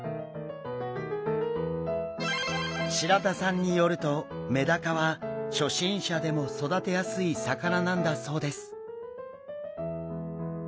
白田さんによるとメダカは初心者でも育てやすい魚なんだそうです。